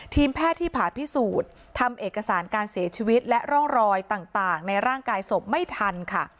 แพทย์ที่ผ่าพิสูจน์ทำเอกสารการเสียชีวิตและร่องรอยต่างในร่างกายศพไม่ทันค่ะ